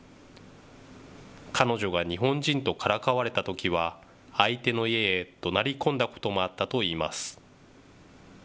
彼女が日本人とからかわれたときは、相手の家へどなり込んだこともあったといいます。